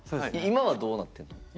今はどうなってんの？